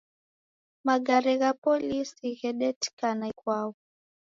Magare gha polisi ghedetikana ikwau